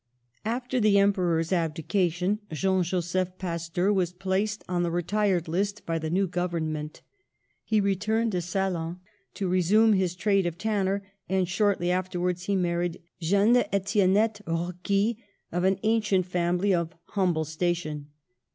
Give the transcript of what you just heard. After the Emperor's abdication Jean Joseph Pasteur was placed on the retired list by the new government. He returned to Salins to re sume his trade of tanner, and shortly after wards he married Jeanne Etiennette Roqui, of an ancient family of humble station.